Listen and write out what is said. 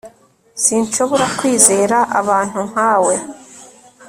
Sinshobora kwizera abantu nka we